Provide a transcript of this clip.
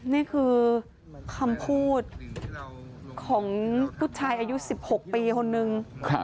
นี่คือคำพูดของลูกชายอายุ๑๖ปีคนนึง